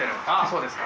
そうですか。